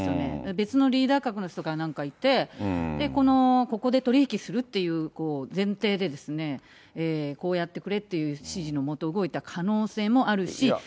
別のリーダー格の人がなんかいて、ここで取り引きするっていう前提で、こうやってくれっていう指示の下、動いた可能性もあるし。